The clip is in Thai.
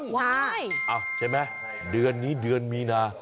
ใช่ไหมเดือนนี้เดือนมีนา